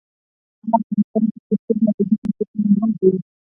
هغه افغانستان چې فورسټر یې یادوي سیاسي قلمرو دی.